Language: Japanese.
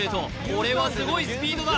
これはすごいスピードだ